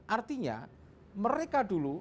artinya mereka dulu